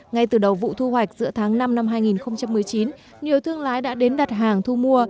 ngay từ đầu vụ thu hoạch giữa tháng năm năm hai nghìn một mươi chín nhiều thương lái đã đến đặt hàng thu mua